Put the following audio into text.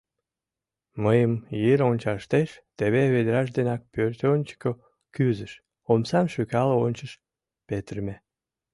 Мыйым йыр ончыштеш, теве ведраж денак пӧртӧнчыкӧ кӱзыш, омсам шӱкал ончыш — петырыме.